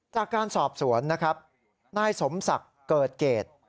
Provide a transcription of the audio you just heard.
จากการสอบสวนนะครับนายสมศักดิ์เกิดเกต